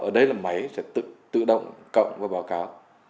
ở đây là máy sẽ tự động cộng và báo cáo